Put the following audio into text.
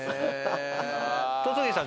戸次さん